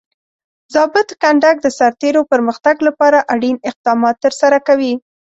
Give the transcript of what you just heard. ضابط کنډک د سرتیرو پرمختګ لپاره اړین اقدامات ترسره کوي.